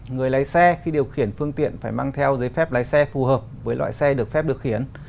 người lái xe khi điều khiển phương tiện phải mang theo giấy phép lái xe phù hợp với loại xe được phép điều khiển